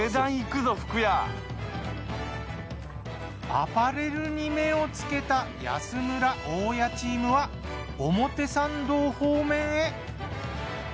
アパレルに目をつけた安村・大家チームは表参道方面へ。